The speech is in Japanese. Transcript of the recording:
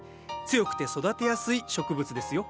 強くて育てやすい植物ですよ。